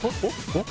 おっ？